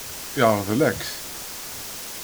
Yeṛḍel-ak-t.